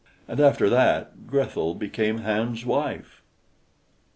And after that Grethel became Hans's wife.